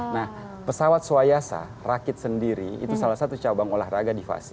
nah pesawat suayasa rakit sendiri itu salah satu cabang olahraga di fasi